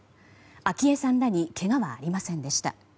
昭恵さんらにけがはありませんでした。